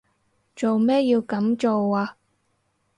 做咩要噉做啊？